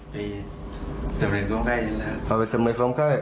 ไป